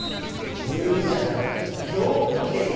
身売りじゃなく業務提携です。